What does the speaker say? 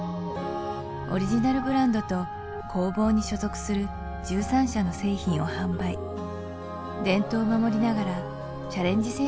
オリジナルブランドと工房に所属する１３社の製品を販売伝統を守りながらチャレンジ